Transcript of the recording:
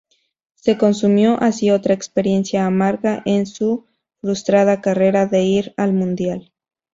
Se consumió así otra experiencia amarga en su frustrada carrera de ir al Mundial.